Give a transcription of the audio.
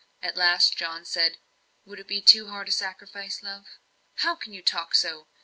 At last John said: "Would it be too hard a sacrifice, love?" "How can you talk so!